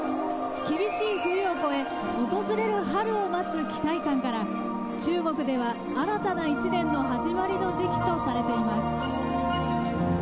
厳しい冬を越え、訪れる春を待つ期待感から、中国では新たな一年の始まりの時期とされています。